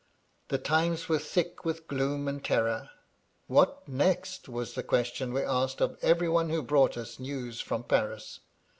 "The times were thick with gloom and terror. * What next?' was the question we asked of every one who brought us news from Paris.